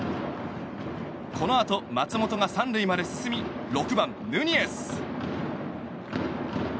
このあと、松本が３塁まで進み６番、ヌニエス。